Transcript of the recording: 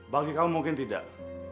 bagi kamu mungkin tidak